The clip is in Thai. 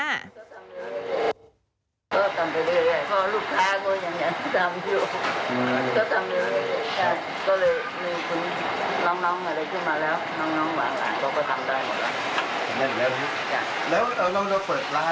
อ่าลูกค้าเยอะช่วงไหนครับ